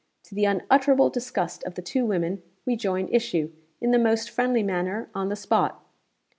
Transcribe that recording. To the unutterable disgust of the two women, we joined issue, in the most friendly manner, on the spot.